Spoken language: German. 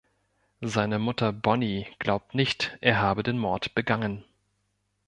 Seine Mutter Bonnie glaubt nicht, er habe den Mord begangen.